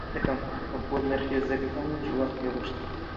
د کمپوز نرخ یې ځکه کم و چې وخت یې غوښته.